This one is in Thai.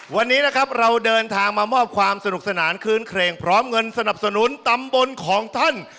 วันนี้นะครับเราเดินทางมามอบความสนุกสนานคืนเครงพร้อมเงินสนับสนุนตำบลของท่าน